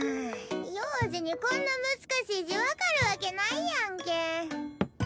幼児にこんな難しい字分かるわけないやんけ。